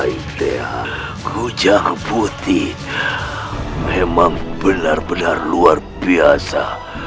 idea gujang putih memang benar benar luar biasa